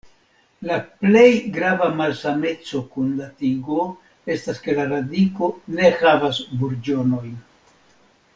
La plej grava malsameco kun la tigo estas ke la radiko ne havas burĝonojn.